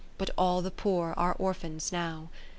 But all the poor are orphans now.